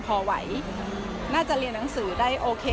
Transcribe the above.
พอไหวน่าจะเรียนหนังสือได้โอเค